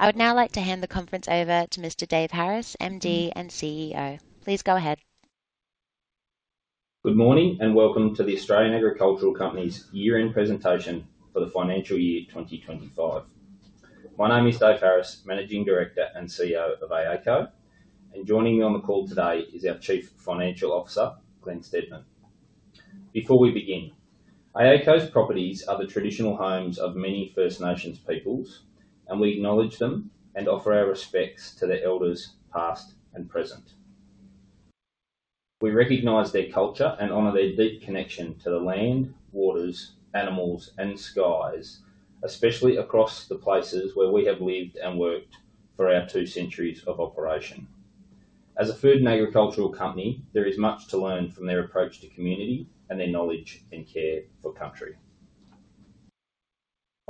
I would now like to hand the conference over to Mr. Dave Harris, MD and CEO. Please go ahead. Good morning and welcome to the Australian Agricultural Company's year-end presentation for the financial year 2025. My name is Dave Harris, Managing Director and CEO of AACo, and joining me on the call today is our Chief Financial Officer, Glen Steedman. Before we begin, AACo's properties are the traditional homes of many First Nations peoples, and we acknowledge them and offer our respects to their elders, past and present. We recognize their culture and honor their deep connection to the land, waters, animals, and skies, especially across the places where we have lived and worked for our two centuries of operation. As a food and agricultural company, there is much to learn from their approach to community and their knowledge and care for country.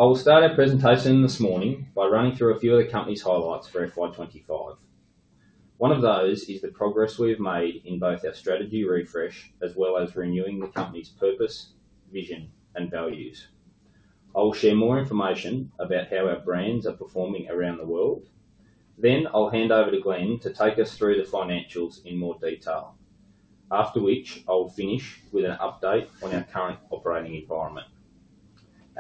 I will start our presentation this morning by running through a few of the company's highlights for FY2025. One of those is the progress we have made in both our strategy refresh as well as renewing the company's purpose, vision, and values. I will share more information about how our brands are performing around the world. I will hand over to Glen to take us through the financials in more detail, after which I will finish with an update on our current operating environment.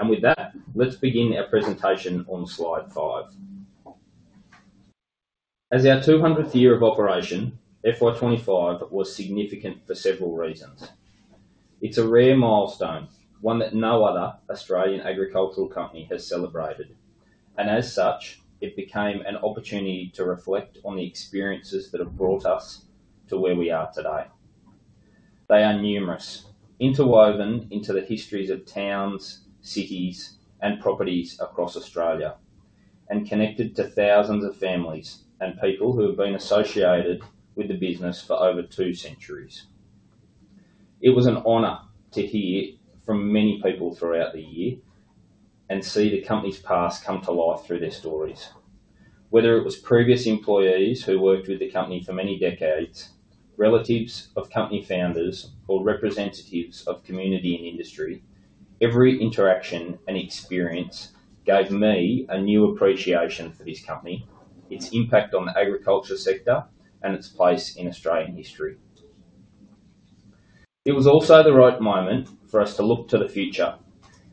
With that, let's begin our presentation on slide five. As our 200th year of operation, FY2025 was significant for several reasons. It is a rare milestone, one that no other Australian agricultural company has celebrated, and as such, it became an opportunity to reflect on the experiences that have brought us to where we are today. They are numerous, interwoven into the histories of towns, cities, and properties across Australia, and connected to thousands of families and people who have been associated with the business for over two centuries. It was an honor to hear from many people throughout the year and see the company's past come to life through their stories. Whether it was previous employees who worked with the company for many decades, relatives of company founders, or representatives of community and industry, every interaction and experience gave me a new appreciation for this company, its impact on the agriculture sector, and its place in Australian history. It was also the right moment for us to look to the future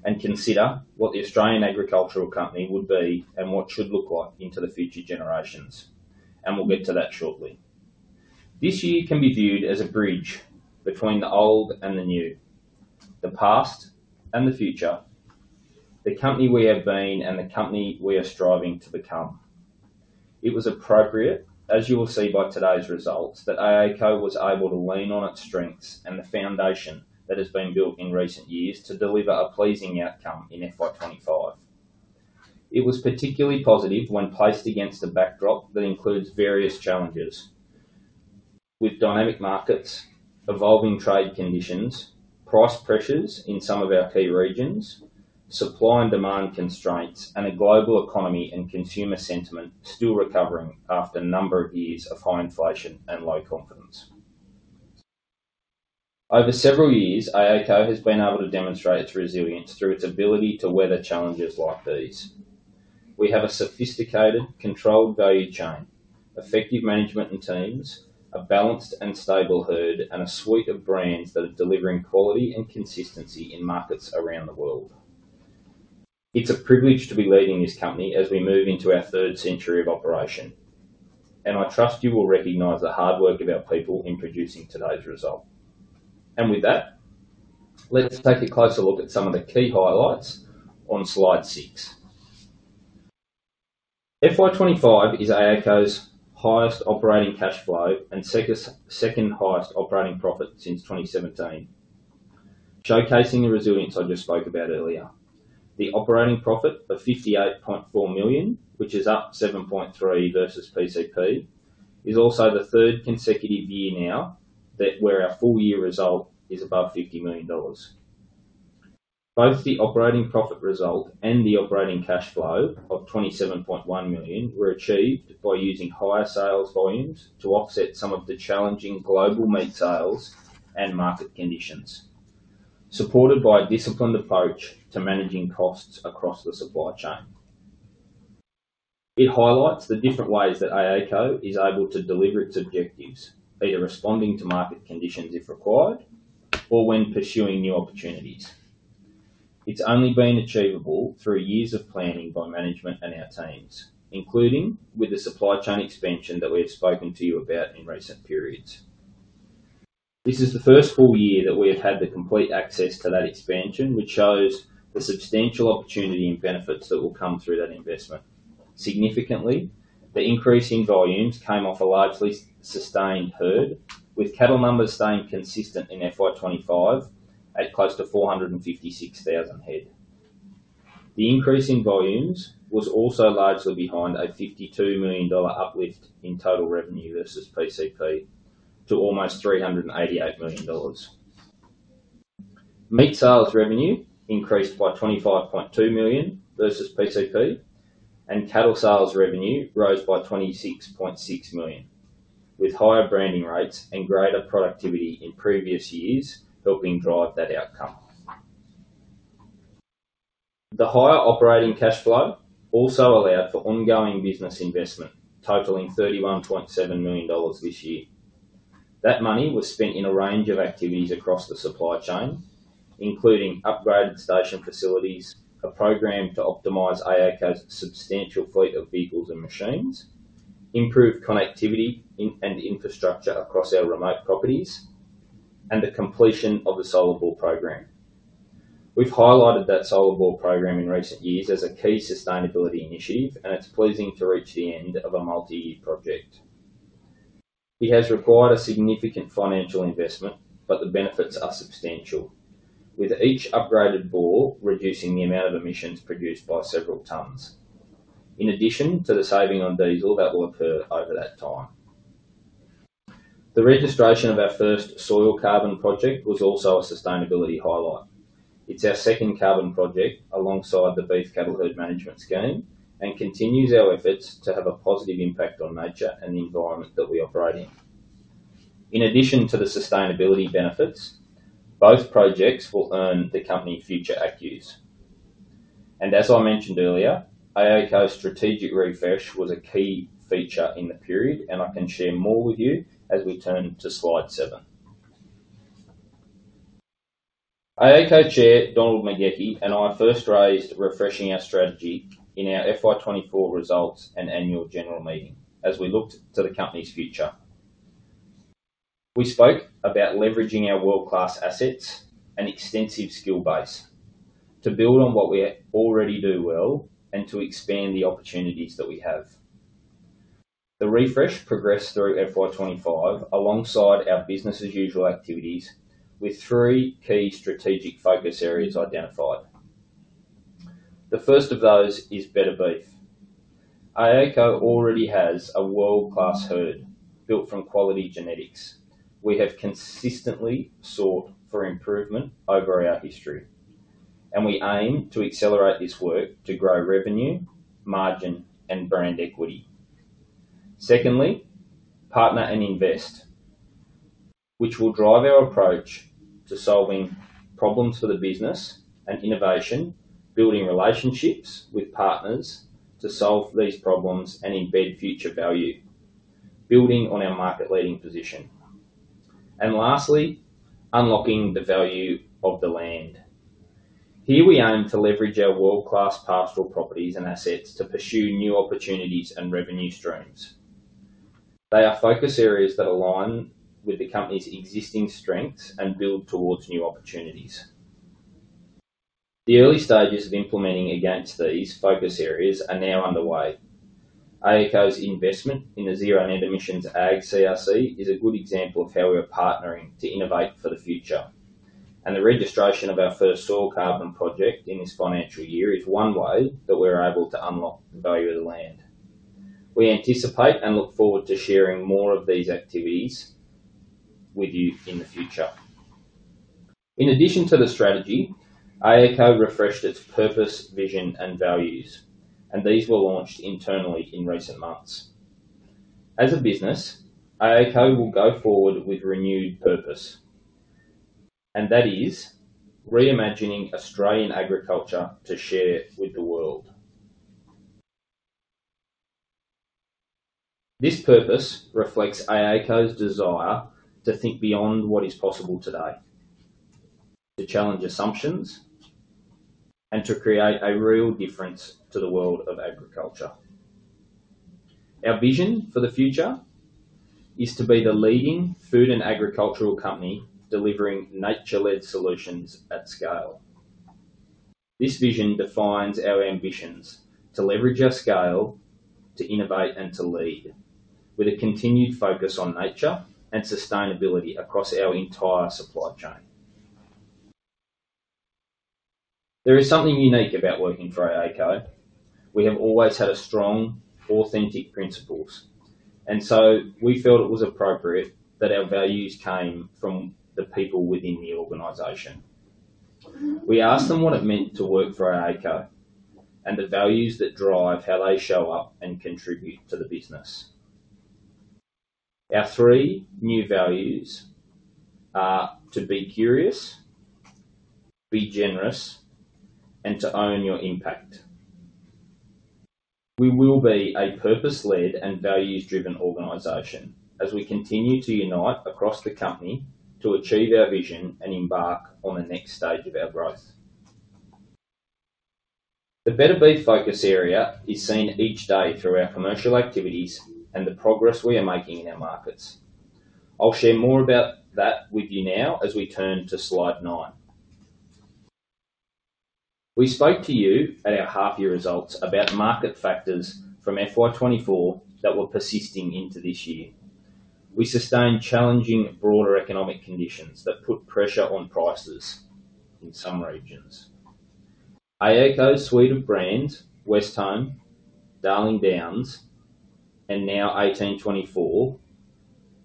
and consider what the Australian Agricultural Company would be and what it should look like into the future generations, and we'll get to that shortly. This year can be viewed as a bridge between the old and the new, the past and the future, the company we have been, and the company we are striving to become. It was appropriate, as you will see by today's results, that AACo was able to lean on its strengths and the foundation that has been built in recent years to deliver a pleasing outcome in FY2025. It was particularly positive when placed against a backdrop that includes various challenges, with dynamic markets, evolving trade conditions, price pressures in some of our key regions, supply and demand constraints, and a global economy and consumer sentiment still recovering after a number of years of high inflation and low confidence. Over several years, AACo has been able to demonstrate its resilience through its ability to weather challenges like these. We have a sophisticated, controlled value chain, effective management and teams, a balanced and stable herd, and a suite of brands that are delivering quality and consistency in markets around the world. It is a privilege to be leading this company as we move into our 3rd century of operation, and I trust you will recognize the hard work of our people in producing today's result. Let's take a closer look at some of the key highlights on slide six. FY2025 is AACo's highest operating cash flow and second highest operating profit since 2017, showcasing the resilience I just spoke about earlier. The operating profit of CCA 58.4 million, which is up 7.3% versus PCP, is also the third consecutive year now where our full-year result is above 50 million dollars. Both the operating profit result and the operating cash flow of 27.1 million were achieved by using higher sales volumes to offset some of the challenging global meat sales and market conditions, supported by a disciplined approach to managing costs across the supply chain. It highlights the different ways that AACO is able to deliver its objectives, either responding to market conditions if required or when pursuing new opportunities. It's only been achievable through years of planning by management and our teams, including with the supply chain expansion that we have spoken to you about in recent periods. This is the 1st full year that we have had the complete access to that expansion, which shows the substantial opportunity and benefits that will come through that investment. Significantly, the increase in volumes came off a largely sustained herd, with cattle numbers staying consistent in FY2025 at close to 456,000 head. The increase in volumes was also largely behind a 52 million dollar uplift in total revenue versus PCP to almost 388 million dollars. Meat sales revenue increased by 25.2 million versus PCP, and cattle sales revenue rose by 26.6 million, with higher branding rates and greater productivity in previous years helping drive that outcome. The higher operating cash flow also allowed for ongoing business investment, totaling 31.7 million dollars this year. That money was spent in a range of activities across the supply chain, including upgraded station facilities, a program to optimize AACo's substantial fleet of vehicles and machines, improved connectivity and infrastructure across our remote properties, and the completion of the SolarBall program. We have highlighted that SolarBall program in recent years as a key sustainability initiative, and it is pleasing to reach the end of a multi-year project. It has required a significant financial investment, but the benefits are substantial, with each upgraded ball reducing the amount of emissions produced by several tons, in addition to the saving on diesel that will occur over that time. The registration of our first soil carbon project was also a sustainability highlight. It is our second carbon project alongside the beef cattle herd management scheme and continues our efforts to have a positive impact on nature and the environment that we operate in. In addition to the sustainability benefits, both projects will earn the company future ACCUs. As I mentioned earlier, AACo's strategic refresh was a key feature in the period, and I can share more with you as we turn to slide seven. AACo Chair Donald McGauchie and I first raised refreshing our strategy in our FY2024 results and annual general meeting as we looked to the company's future. We spoke about leveraging our world-class assets and extensive skill base to build on what we already do well and to expand the opportunities that we have. The refresh progressed through FY2025 alongside our business-as-usual activities with three key strategic focus areas identified. The first of those is better beef. AACo already has a world-class herd built from quality genetics. We have consistently sought for improvement over our history, and we aim to accelerate this work to grow revenue, margin, and brand equity. Secondly, partner and invest, which will drive our approach to solving problems for the business and innovation, building relationships with partners to solve these problems and embed future value, building on our market-leading position. Lastly, unlocking the value of the land. Here we aim to leverage our world-class pastoral properties and assets to pursue new opportunities and revenue streams. They are focus areas that align with the company's existing strengths and build towards new opportunities. The early stages of implementing against these focus areas are now underway. AACo's investment in the Zero Net Emissions Ag CRC is a good example of how we are partnering to innovate for the future, and the registration of our first soil carbon project in this financial year is one way that we're able to unlock the value of the land. We anticipate and look forward to sharing more of these activities with you in the future. In addition to the strategy, AACo refreshed its purpose, vision, and values, and these were launched internally in recent months. As a business, AACo will go forward with renewed purpose, and that is reimagining Australian agriculture to share with the world. This purpose reflects AACo's desire to think beyond what is possible today, to challenge assumptions, and to create a real difference to the world of agriculture. Our vision for the future is to be the leading food and agricultural company delivering nature-led solutions at scale. This vision defines our ambitions to leverage our scale, to innovate, and to lead, with a continued focus on nature and sustainability across our entire supply chain. There is something unique about working for AACo. We have always had strong, authentic principles, and so we felt it was appropriate that our values came from the people within the organization. We asked them what it meant to work for AACo and the values that drive how they show up and contribute to the business. Our three new values are to be curious, be generous, and to own your impact. We will be a purpose-led and values-driven organization as we continue to unite across the company to achieve our vision and embark on the next stage of our growth. The better beef focus area is seen each day through our commercial activities and the progress we are making in our markets. I'll share more about that with you now as we turn to slide nine. We spoke to you at our half-year results about market factors from FY2024 that were persisting into this year. We sustained challenging broader economic conditions that put pressure on prices in some regions. AACo's suite of brands, Westholme, Darling Downs, and now 1824,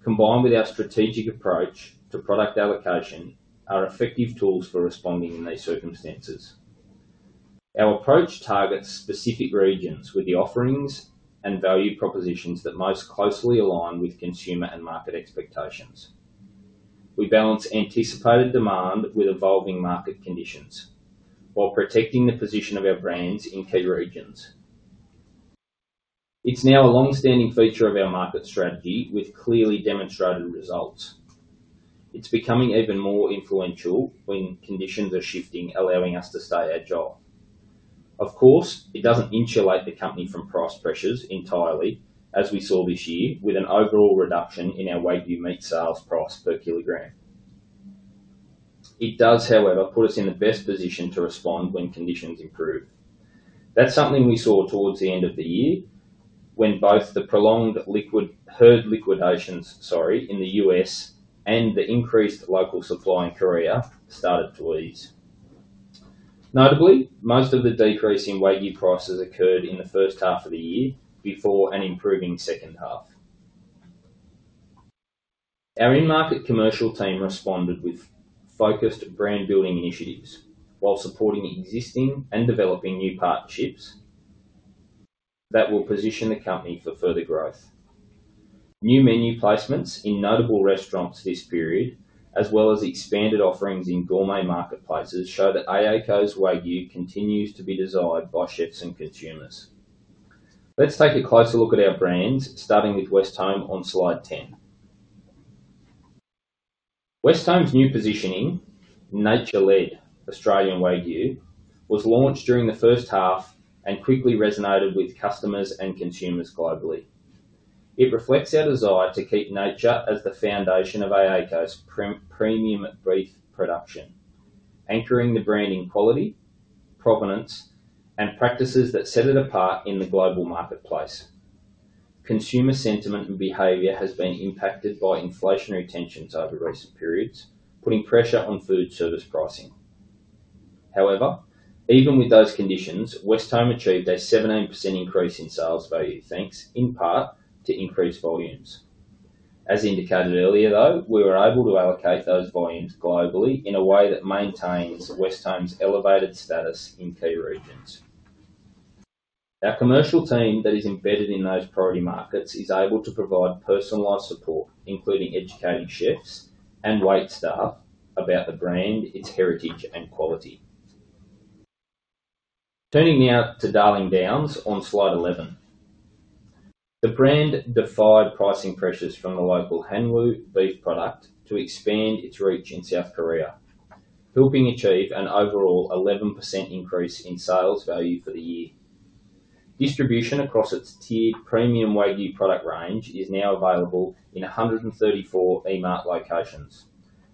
combined with our strategic approach to product allocation, are effective tools for responding in these circumstances. Our approach targets specific regions with the offerings and value propositions that most closely align with consumer and market expectations. We balance anticipated demand with evolving market conditions while protecting the position of our brands in key regions. It's now a long-standing feature of our market strategy with clearly demonstrated results. It's becoming even more influential when conditions are shifting, allowing us to stay agile. Of course, it doesn't insulate the company from price pressures entirely, as we saw this year with an overall reduction in our weighted meat sales price per kilogram. It does, however, put us in the best position to respond when conditions improve. That's something we saw towards the end of the year when both the prolonged herd liquidations in the U.S. and the increased local supply in Korea started to ease. Notably, most of the decrease in weighted prices occurred in the 1st half of the year before an improving 2nd half. Our in-market commercial team responded with focused brand-building initiatives while supporting existing and developing new partnerships that will position the company for further growth. New menu placements in notable restaurants this period, as well as expanded offerings in gourmet marketplaces, show that AACo's Wagyu continues to be desired by chefs and consumers. Let's take a closer look at our brands, starting with Westholme on slide 10. Westholme's new positioning, nature-led Australian Wagyu view, was launched during the first half and quickly resonated with customers and consumers globally. It reflects our desire to keep nature as the foundation of AACo's premium beef production, anchoring the brand in quality, provenance, and practices that set it apart in the global marketplace. Consumer sentiment and behavior have been impacted by inflationary tensions over recent periods, putting pressure on food service pricing. However, even with those conditions, Westholme achieved a 17% increase in sales value, thanks in part to increased volumes. As indicated earlier, though, we were able to allocate those volumes globally in a way that maintains Westholme's elevated status in key regions. Our commercial team that is embedded in those priority markets is able to provide personalized support, including educating chefs and wait staff about the brand, its heritage, and quality. Turning now to Darling Downs on slide 11, the brand defied pricing pressures from the local Hanwoo beef product to expand its reach in South Korea, helping achieve an overall 11% increase in sales value for the year. Distribution across its tiered premium weighted product range is now available in 134 EMART locations,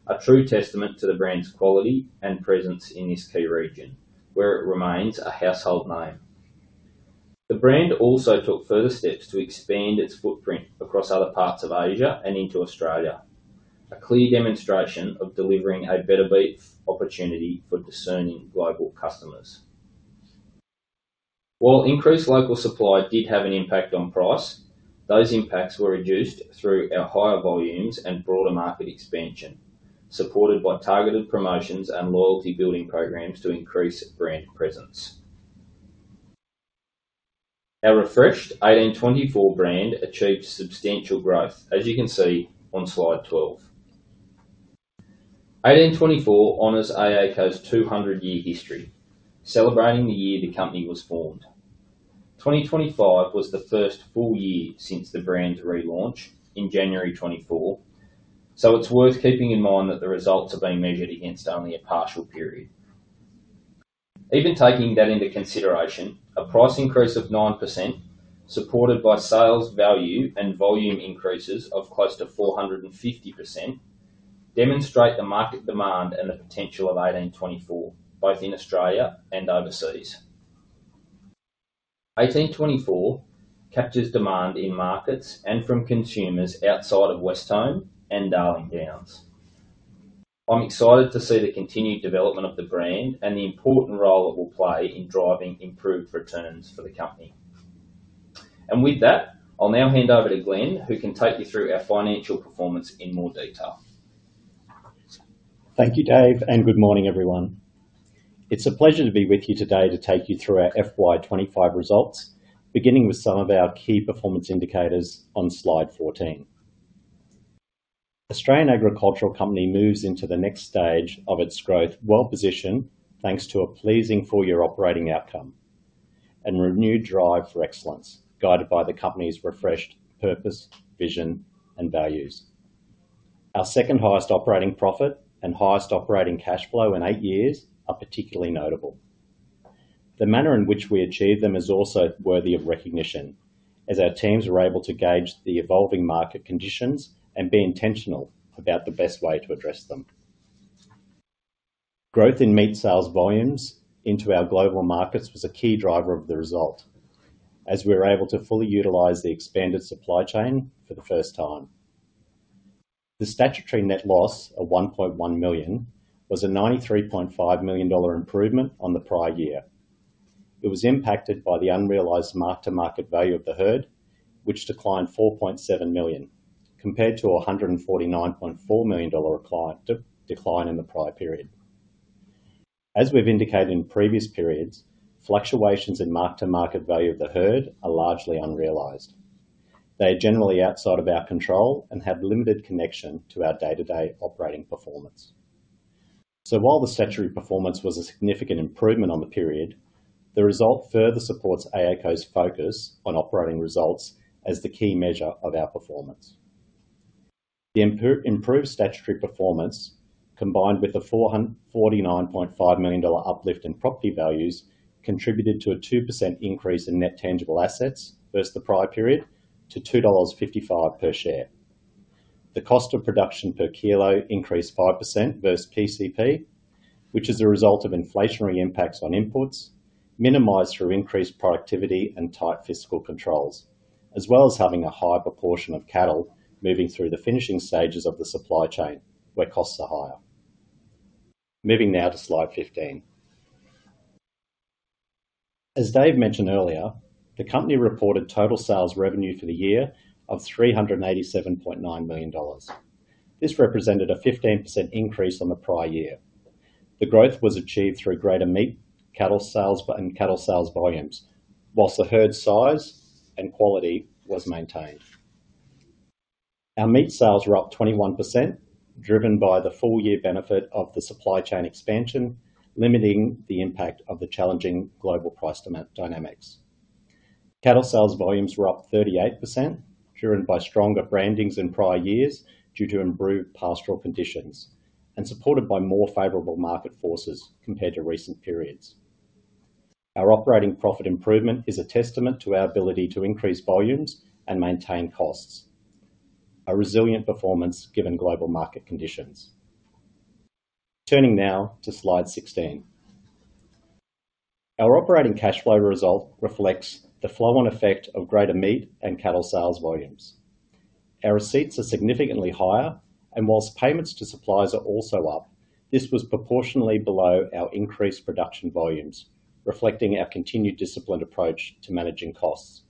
a true testament to the brand's quality and presence in this key region, where it remains a household name. The brand also took further steps to expand its footprint across other parts of Asia and into Australia, a clear demonstration of delivering a better beef opportunity for discerning global customers. While increased local supply did have an impact on price, those impacts were reduced through our higher volumes and broader market expansion, supported by targeted promotions and loyalty-building programs to increase brand presence. Our refreshed 1824 brand achieved substantial growth, as you can see on slide 12. 1824 honors AACo's 200-year history, celebrating the year the company was formed. 2025 was the first full year since the brand's relaunch in January 2024, so it's worth keeping in mind that the results are being measured against only a partial period. Even taking that into consideration, a price increase of 9%, supported by sales value and volume increases of close to 450%, demonstrates the market demand and the potential of 1824, both in Australia and overseas. 1824 captures demand in markets and from consumers outside of Westholme and Darling Downs. I'm excited to see the continued development of the brand and the important role it will play in driving improved returns for the company. I will now hand over to Glen, who can take you through our financial performance in more detail. Thank you, Dave, and good morning, everyone. It's a pleasure to be with you today to take you through our FY2025 results, beginning with some of our key performance indicators on slide 14. Australian Agricultural Company moves into the next stage of its growth, well positioned thanks to a pleasing four-year operating outcome and renewed drive for excellence, guided by the company's refreshed purpose, vision, and values. Our second highest operating profit and highest operating cash flow in eight years are particularly notable. The manner in which we achieved them is also worthy of recognition, as our teams were able to gauge the evolving market conditions and be intentional about the best way to address them. Growth in meat sales volumes into our global markets was a key driver of the result, as we were able to fully utilise the expanded supply chain for the first time. The statutory net loss of 1.1 million was a 93.5 million dollar improvement on the prior year. It was impacted by the unrealized mark-to-market value of the herd, which declined 4.7 million, compared to a 149.4 million dollar decline in the prior period. As we've indicated in previous periods, fluctuations in mark-to-market value of the herd are largely unrealized. They are generally outside of our control and have limited connection to our day-to-day operating performance. While the statutory performance was a significant improvement on the period, the result further supports AACo's focus on operating results as the key measure of our performance. The improved statutory performance, combined with the 49.5 million dollar uplift in property values, contributed to a 2% increase in net tangible assets versus the prior period to 2.55 dollars per share. The cost of production per kilo increased 5% versus PCP, which is a result of inflationary impacts on inputs, minimized through increased productivity and tight fiscal controls, as well as having a higher proportion of cattle moving through the finishing stages of the supply chain where costs are higher. Moving now to slide 15. As Dave mentioned earlier, the company reported total sales revenue for the year of 387.9 million dollars. This represented a 15% increase on the prior year. The growth was achieved through greater meat cattle sales and cattle sales volumes, whilst the herd size and quality was maintained. Our meat sales were up 21%, driven by the full-year benefit of the supply chain expansion, limiting the impact of the challenging global price dynamics. Cattle sales volumes were up 38%, driven by stronger brandings in prior years due to improved pastoral conditions and supported by more favourable market forces compared to recent periods. Our operating profit improvement is a testament to our ability to increase volumes and maintain costs, a resilient performance given global market conditions. Turning now to slide 16. Our operating cash flow result reflects the flow-on effect of greater meat and cattle sales volumes. Our receipts are significantly higher, and whilst payments to suppliers are also up, this was proportionally below our increased production volumes, reflecting our continued disciplined approach to managing costs.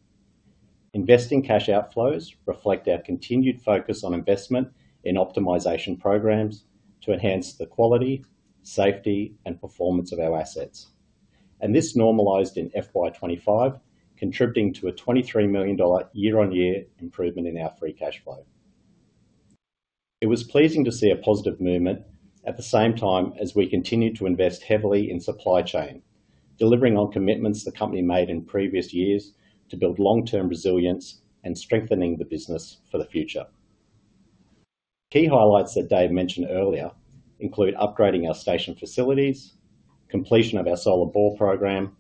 Investing cash outflows reflect our continued focus on investment in optimisation programs to enhance the quality, safety, and performance of our assets, and this normalised in FY2025, contributing to a 23 million dollar year-on-year improvement in our free cash flow. It was pleasing to see a positive movement at the same time as we continued to invest heavily in supply chain, delivering on commitments the company made in previous years to build long-term resilience and strengthening the business for the future. Key highlights that Dave mentioned earlier include upgrading our station facilities, completion of our SolarBall program,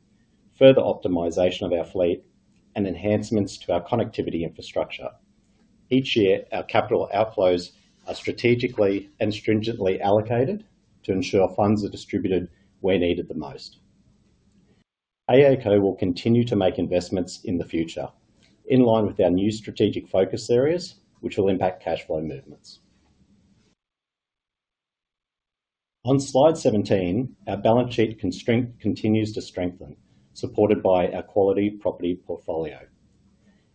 further optimization of our fleet, and enhancements to our connectivity infrastructure. Each year, our capital outflows are strategically and stringently allocated to ensure funds are distributed where needed the most. AACo will continue to make investments in the future, in line with our new strategic focus areas, which will impact cash flow movements. On slide 17, our balance sheet constraint continues to strengthen, supported by our quality property portfolio.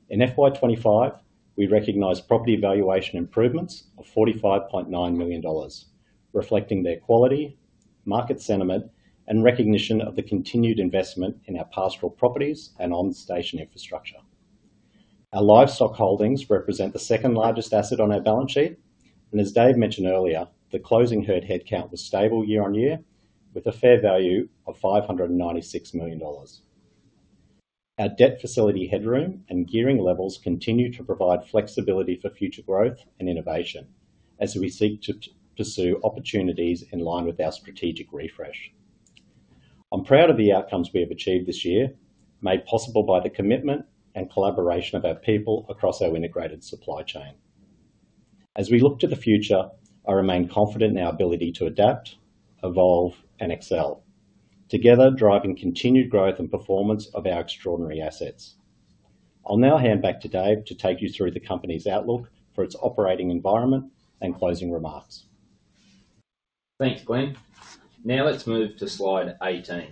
In FY2025, we recognized property valuation improvements of 45.9 million dollars, reflecting their quality, market sentiment, and recognition of the continued investment in our pastoral properties and on-station infrastructure. Our livestock holdings represent the second largest asset on our balance sheet, and as Dave mentioned earlier, the closing herd headcount was stable year-on-year, with a fair value of 596 million dollars. Our debt facility headroom and gearing levels continue to provide flexibility for future growth and innovation as we seek to pursue opportunities in line with our strategic refresh. I'm proud of the outcomes we have achieved this year, made possible by the commitment and collaboration of our people across our integrated supply chain. As we look to the future, I remain confident in our ability to adapt, evolve, and excel, together driving continued growth and performance of our extraordinary assets. I'll now hand back to Dave to take you through the company's outlook for its operating environment and closing remarks. Thanks, Glen. Now let's move to slide 18.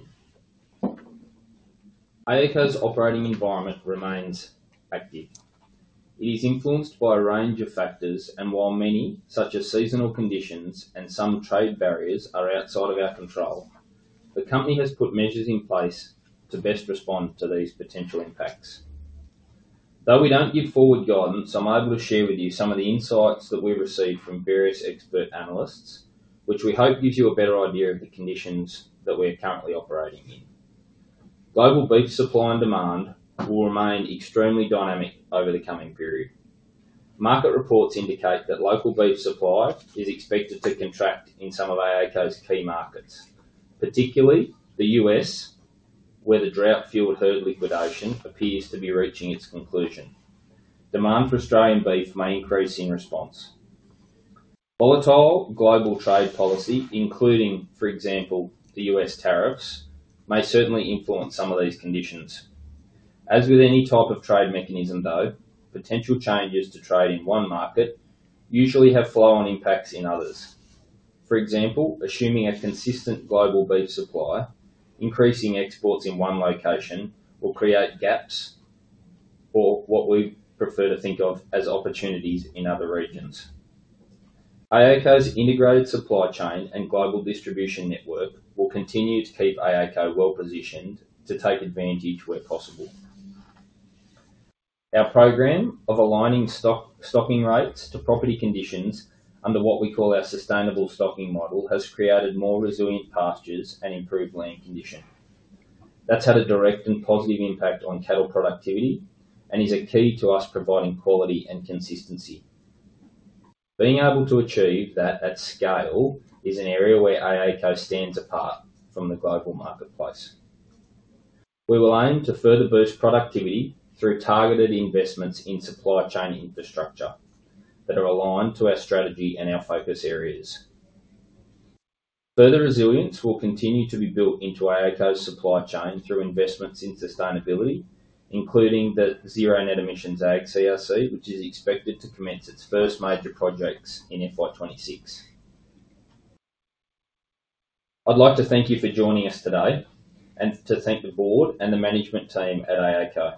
AACo's operating environment remains active. It is influenced by a range of factors, and while many, such as seasonal conditions and some trade barriers, are outside of our control, the company has put measures in place to best respond to these potential impacts. Though we don't give forward guidance, I'm able to share with you some of the insights that we received from various expert analysts, which we hope gives you a better idea of the conditions that we're currently operating in. Global beef supply and demand will remain extremely dynamic over the coming period. Market reports indicate that local beef supply is expected to contract in some of AACo's key markets, particularly the U.S., where the drought-fueled herd liquidation appears to be reaching its conclusion. Demand for Australian beef may increase in response. Volatile global trade policy, including, for example, the U.S. tariffs, may certainly influence some of these conditions. As with any type of trade mechanism, though, potential changes to trade in one market usually have flow-on impacts in others. For example, assuming a consistent global beef supply, increasing exports in one location will create gaps or what we prefer to think of as opportunities in other regions. AACo's integrated supply chain and global distribution network will continue to keep AACo well positioned to take advantage where possible. Our program of aligning stocking rates to property conditions under what we call our sustainable stocking model has created more resilient pastures and improved land conditions. That's had a direct and positive impact on cattle productivity and is a key to us providing quality and consistency. Being able to achieve that at scale is an area where AACo stands apart from the global marketplace. We will aim to further boost productivity through targeted investments in supply chain infrastructure that are aligned to our strategy and our focus areas. Further resilience will continue to be built into AACo's supply chain through investments in sustainability, including the Zero Net Emissions Ag CRC, which is expected to commence its first major projects in FY2026. I'd like to thank you for joining us today and to thank the board and the management team at AACo.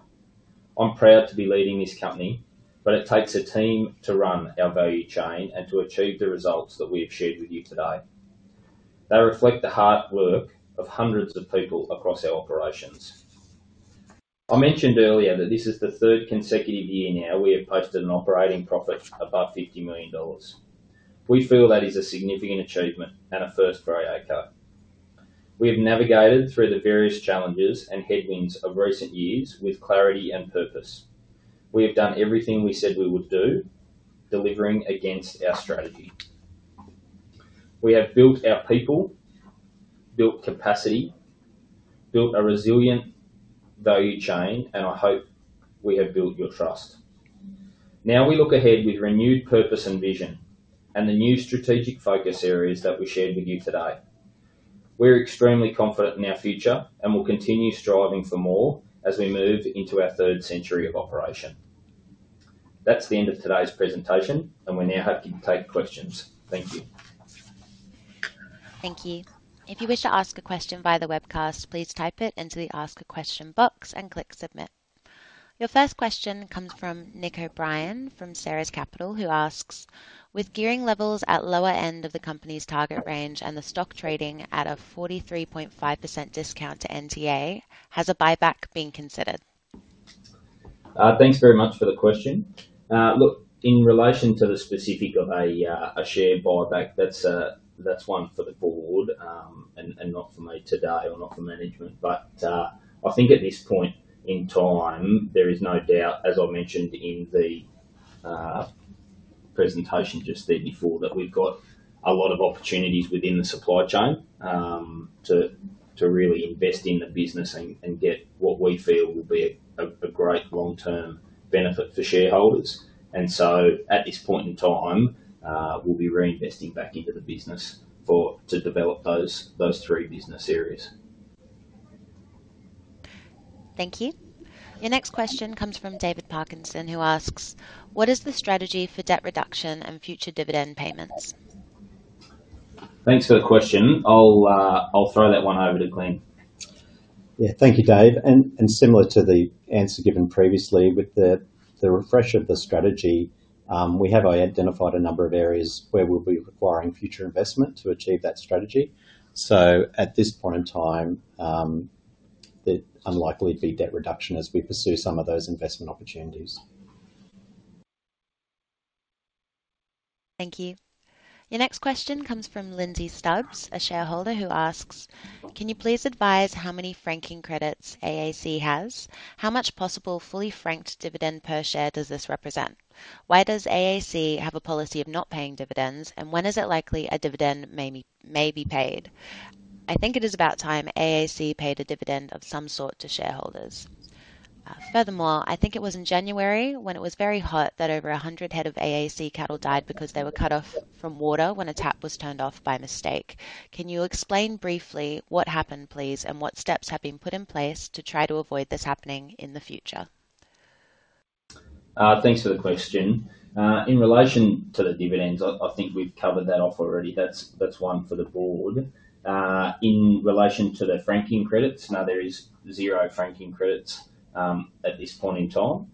I'm proud to be leading this company, but it takes a team to run our value chain and to achieve the results that we have shared with you today. They reflect the hard work of hundreds of people across our operations. I mentioned earlier that this is the 3rd consecutive year now we have posted an operating profit above 50 million dollars. We feel that is a significant achievement and a first for AACo. We have navigated through the various challenges and headwinds of recent years with clarity and purpose. We have done everything we said we would do, delivering against our strategy. We have built our people, built capacity, built a resilient value chain, and I hope we have built your trust. Now we look ahead with renewed purpose and vision and the new strategic focus areas that we shared with you today. We're extremely confident in our future and will continue striving for more as we move into our 3rd century of operation. That's the end of today's presentation, and we now hope you can take questions. Thank you. Thank you. If you wish to ask a question via the webcast, please type it into the Ask a Question box and click Submit. Your first question comes from Nico Bryan from Ceres Capital, who asks, "With gearing levels at lower end of the company's target range and the stock trading at a 43.5% discount to NTA, has a buyback been considered?" Thanks very much for the question. Look, in relation to the specific of a share buyback, that's one for the board and not for me today or not for management. I think at this point in time, there is no doubt, as I mentioned in the presentation just there before, that we've got a lot of opportunities within the supply chain to really invest in the business and get what we feel will be a great long-term benefit for shareholders. At this point in time, we'll be reinvesting back into the business to develop those three business areas. Thank you. Your next question comes from David Parkinson, who asks, "What is the strategy for debt reduction and future dividend payments?" Thanks for the question. I'll throw that one over to Glen. Yeah, thank you, Dave. Similar to the answer given previously, with the refresh of the strategy, we have identified a number of areas where we'll be requiring future investment to achieve that strategy. At this point in time, I'm likely to be debt reduction as we pursue some of those investment opportunities. Thank you. Your next question comes from Lindsay Stubbs, a shareholder who asks, "Can you please advise how many franking credits AAC has? How much possible fully franked dividend per share does this represent? Why does AAC have a policy of not paying dividends, and when is it likely a dividend may be paid? I think it is about time AAC paid a dividend of some sort to shareholders. Furthermore, I think it was in January when it was very hot that over 100 head of AAC cattle died because they were cut off from water when a tap was turned off by mistake. Can you explain briefly what happened, please, and what steps have been put in place to try to avoid this happening in the future? Thanks for the question. In relation to the dividends, I think we've covered that off already. That's one for the board. In relation to the franking credits, now there is zero franking credits at this point in time.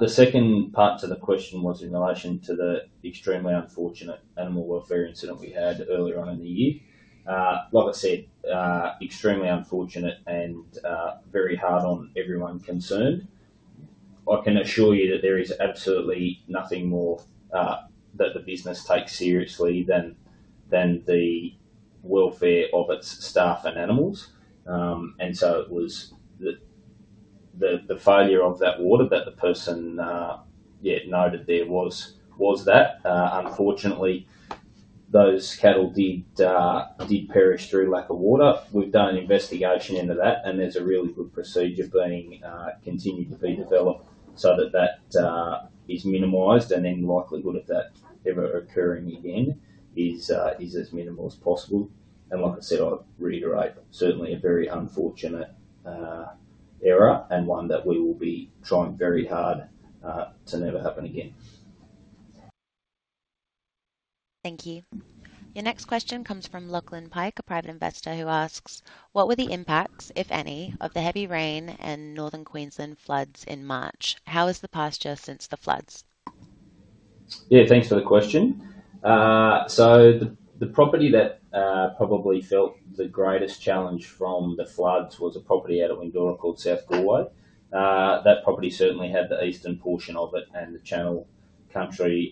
The second part to the question was in relation to the extremely unfortunate animal welfare incident we had earlier on in the year. Like I said, extremely unfortunate and very hard on everyone concerned. I can assure you that there is absolutely nothing more that the business takes seriously than the welfare of its staff and animals. It was the failure of that water that the person noted there was that. Unfortunately, those cattle did perish through lack of water. We've done an investigation into that, and there's a really good procedure being continued to be developed so that that is minimized, and then the likelihood of that ever occurring again is as minimal as possible. Like I said, I'll reiterate, certainly a very unfortunate error and one that we will be trying very hard to never happen again. Thank you. Your next question comes from Lachlan Pike, a private investor who asks, "What were the impacts, if any, of the heavy rain and northern Queensland floods in March? How is the pasture since the floods?" Yeah, thanks for the question. The property that probably felt the greatest challenge from the floods was a property out of Winton called South Galway. That property certainly had the eastern portion of it and the channel country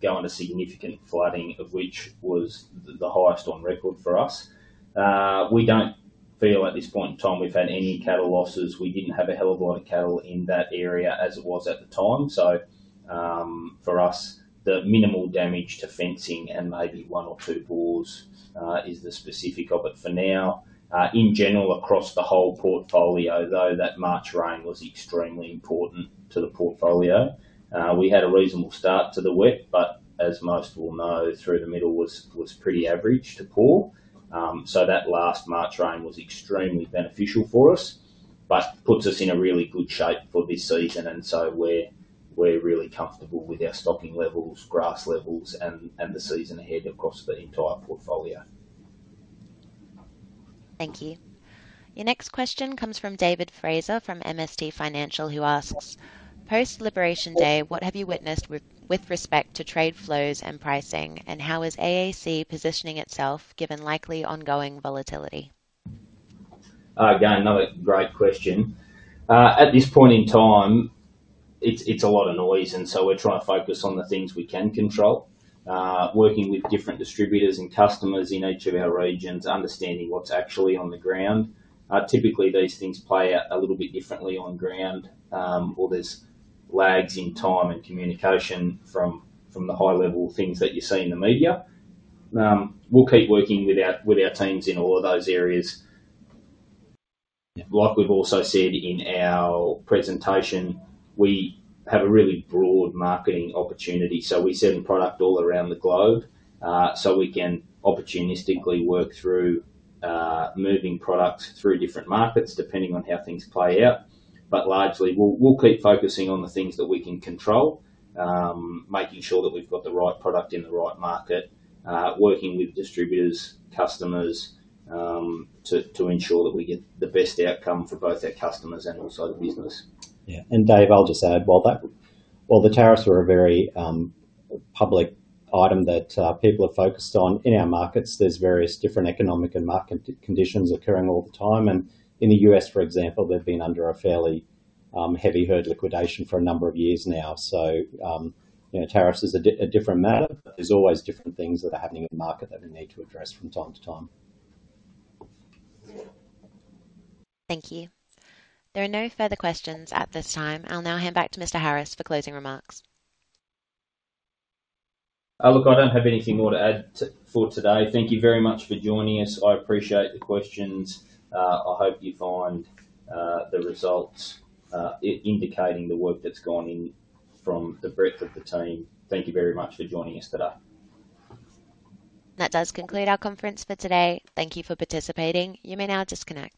going to significant flooding, of which was the highest on record for us. We don't feel at this point in time we've had any cattle losses. We didn't have a hell of a lot of cattle in that area as it was at the time. For us, the minimal damage to fencing and maybe one or two bores is the specific of it for now. In general, across the whole portfolio, though, that March rain was extremely important to the portfolio. We had a reasonable start to the wet, but as most will know, through the middle was pretty average to poor. That last March rain was extremely beneficial for us, but puts us in a really good shape for this season, and we are really comfortable with our stocking levels, grass levels, and the season ahead across the entire portfolio. Thank you. Your next question comes from David Fraser from MSD Financial, who asks, "Post Liberation Day, what have you witnessed with respect to trade flows and pricing, and how is AAC positioning itself given likely ongoing volatility?" Again, another great question. At this point in time, it's a lot of noise, and so we're trying to focus on the things we can control, working with different distributors and customers in each of our regions, understanding what's actually on the ground. Typically, these things play out a little bit differently on ground, or there's lags in time and communication from the high-level things that you see in the media. We'll keep working with our teams in all of those areas. Like we've also said in our presentation, we have a really broad marketing opportunity, so we sell product all around the globe. We can opportunistically work through moving products through different markets depending on how things play out. Largely, we'll keep focusing on the things that we can control, making sure that we've got the right product in the right market, working with distributors, customers to ensure that we get the best outcome for both our customers and also the business. Yeah. Dave, I'll just add, while the tariffs are a very public item that people are focused on in our markets, there are various different economic and market conditions occurring all the time. In the U.S. for example, they've been under a fairly heavy herd liquidation for a number of years now. Tariffs is a different matter, but there are always different things that are happening in the market that we need to address from time to time. Thank you. There are no further questions at this time. I'll now hand back to Mr. Harris for closing remarks. Look, I don't have anything more to add for today. Thank you very much for joining us. I appreciate the questions. I hope you find the results indicating the work that's gone in from the breadth of the team. Thank you very much for joining us today. That does conclude our conference for today. Thank you for participating. You may now disconnect.